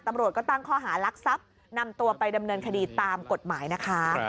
ตำรวจก็ตั้งข้อหารักทรัพย์นำตัวไปดำเนินคดีตามกฎหมายนะคะ